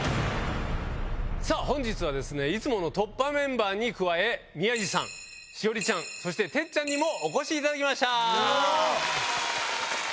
さあ、本日はいつもの突破メンバーに加え、宮治さん、栞里ちゃん、そして、てっちゃんにもお越しいただきました。